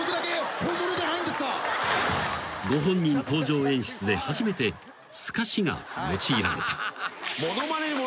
［ご本人登場演出で初めてすかしが用いられた］